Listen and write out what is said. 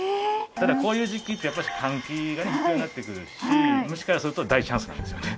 ただこういう時季ってやっぱり換気が必要になってくるし虫からすると大チャンスなんですよね。